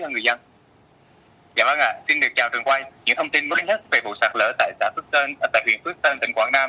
những thông tin mới nhất về vụ sạt lỡ tại huyện phước thành tỉnh quảng nam